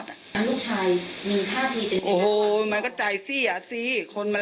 ทุกวัฒนาคุณหิ้วเจ้าลูกกระจะพลอยทางประโยคนาคท์